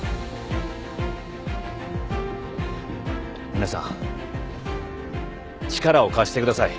皆さん力を貸してください。